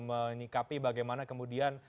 menyikapi bagaimana kemudian